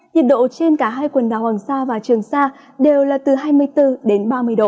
nhiệt độ trên cả hai quần đảo hoàng sa và trường sa đều là từ hai mươi bốn ba mươi độ